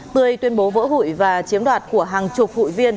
tươi tuyên bố vỡ hụi và chiếm đoạt của hàng chục hụi viên